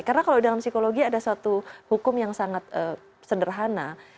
karena kalau dalam psikologi ada satu hukum yang sangat sederhana